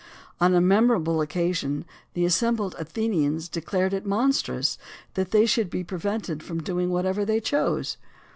On a memorable occasion the assembled Athenians declared it monstrous that they should be prevented from doing whatever they chose.